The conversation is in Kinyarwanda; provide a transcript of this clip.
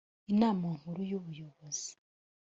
inama nkuru y’ubuyobozi